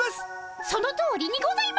そのとおりにございます！